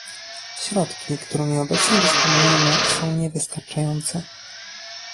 Środki, którymi obecnie dysponujemy, są niewystarczające